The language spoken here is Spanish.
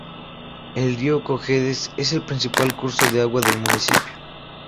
El río Cojedes es el principal curso de agua del municipio.